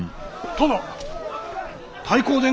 殿。